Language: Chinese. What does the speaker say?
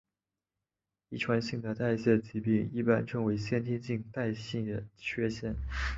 遗传性的代谢疾病一般称为先天性代谢缺陷。